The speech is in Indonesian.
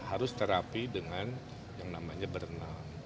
harus terapi dengan yang namanya berenang